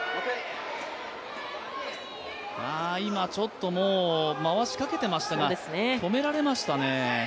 今、ちょっと回しかけてましたが止められましたね。